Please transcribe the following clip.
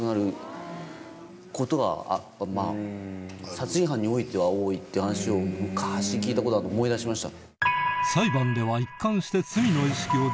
殺人犯においては多いって話を昔聞いたことあるの思い出しました。